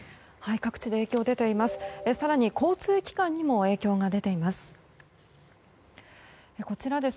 各地で影響が出ています。